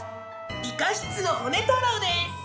理科室のホネ太郎です。